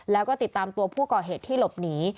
แล้วก็ติดตามตัวผู้ก่อเหตุที่หลบหนี